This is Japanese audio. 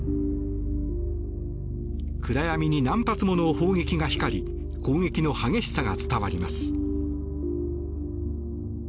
暗闇に何発もの砲撃が光り攻撃の激しさが伝わります。